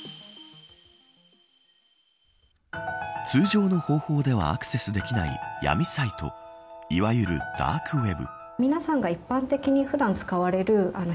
通常の方法ではアクセスできない闇サイトいわゆるダークウェブ。